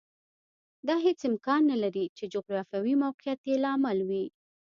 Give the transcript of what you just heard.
دا هېڅ امکان نه لري چې جغرافیوي موقعیت یې لامل وي